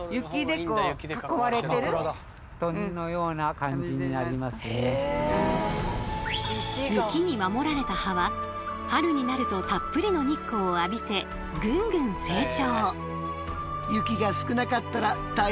寒い風が雪に守られた葉は春になるとたっぷりの日光を浴びてぐんぐん成長。